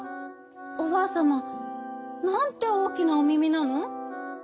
おばあさまなんておおきなおみみなの？」。